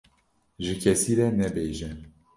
ji kesî re nebêje.